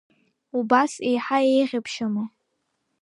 Убас еиҳа еиӷьыбшьама?